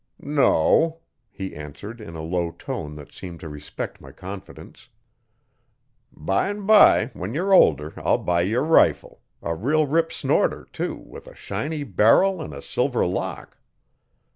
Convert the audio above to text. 'No,' he answered in a low tone that seemed to respect my confidence. 'Bime by, when you're older, I'll buy ye a rifle a real rip snorter, too, with a shiny barrel 'n a silver lock.